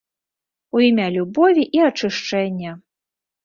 У імя любові і ачышчэння.